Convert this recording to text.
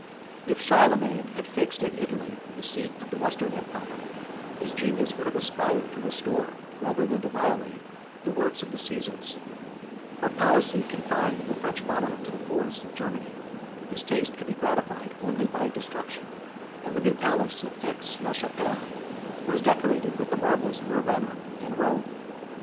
If Charlemagne had fixed in Italy the seat of the Western empire, his genius would have aspired to restore, rather than to violate, the works of the Cæsars; but policy confined the French monarch to the forests of Germany; his taste could be gratified only by destruction; and the new palace of Aix la Chapelle was decorated with the marbles of Ravenna 29 and Rome.